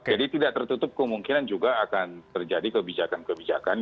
tidak tertutup kemungkinan juga akan terjadi kebijakan kebijakan